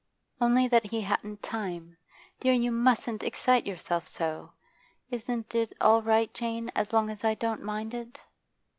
'Only that he hadn't time. Dear, you mustn't excite yourself so. Isn't it all right, Jane, as long as I don't mind it?